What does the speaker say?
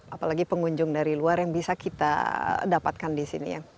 apalagi pengunjung dari luar yang bisa kita dapatkan di sini ya